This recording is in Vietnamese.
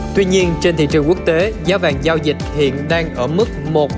tuy nhiên trên thị trường quốc tế giá vàng giao dịch hiện đang ở mức